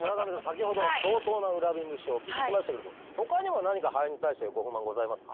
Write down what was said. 先ほど相当な恨み節をお聞きしましたけれどほかにも何かハエに対してはご不満ございますか？